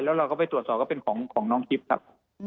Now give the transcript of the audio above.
แล้วเราก็ไปตรวจสอบก็เป็นของน้องกิฟต์ครับ